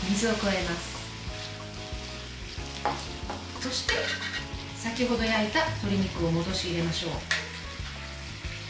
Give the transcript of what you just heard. そして、先ほど焼いた鶏肉を戻し入れましょう。